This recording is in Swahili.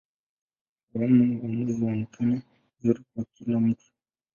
Awamu za mwezi huonekana vizuri kwa kila mtu.